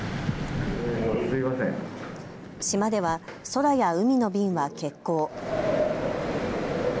島では空や海の便は欠航。